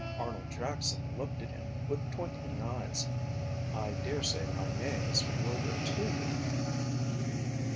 Arnold Jackson looked at him with twinkling eyes. "I daresay my name is familiar to you."